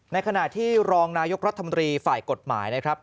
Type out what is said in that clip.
ในขณะที่รองนายกรัฐมนตรีฝ่ายกฎหมายนะครับ